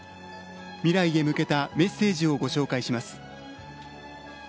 未来へ向けたメッセージをご紹介します。